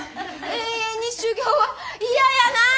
永遠に修業は嫌やなあ！